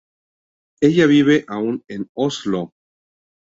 Ella vive aún en Oslo.